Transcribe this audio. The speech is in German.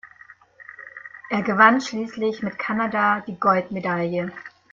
Er gewann schließlich mit Kanada die Goldmedaille.